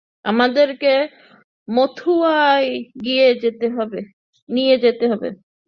আমাদেরকে মথুরায় নিয়ে যেতে হবে।